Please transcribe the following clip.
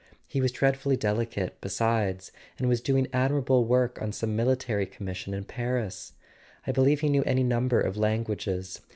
"He was dreadfully delicate besides, and was doing admirable work on some military commission in Paris; I believe he knew any number of languages.